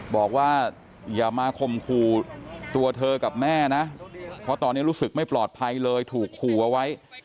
บอกว่าอย่ามาข่มขู่ตัวเธอกับแม่นะเพราะตอนนี้รู้สึกไม่ปลอดภัยเลยถูกขู่เอาไว้